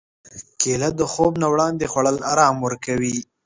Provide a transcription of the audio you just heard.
کېله د خوب نه وړاندې خوړل ارام ورکوي.